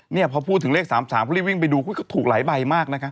พอพูดถึงเลข๓๓เขารีบวิ่งไปดูก็ถูกหลายใบมากนะครับ